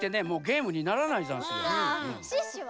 もうゲームにならないざんすよ。